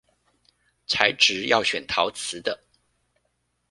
材質要選陶瓷的